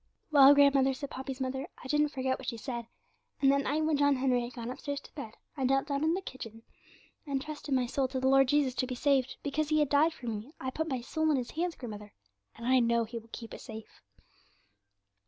'Well, grandmother,' said Poppy's mother, 'I didn't forget what she said, and that night, when John Henry had gone upstairs to bed, I knelt down in the kitchen, and trusted my soul to the Lord Jesus to be saved, because He had died for me; I put my soul in His hands, grandmother, and I know He will keep it safe.'